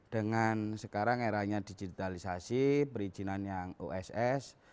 dengan sekarang eranya digitalisasi perizinan yang oss